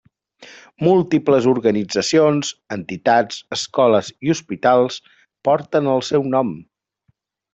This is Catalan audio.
Múltiples organitzacions, entitats, escoles i hospitals porten el seu nom.